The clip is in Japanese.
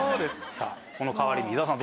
さあこの変わりぶり伊沢さん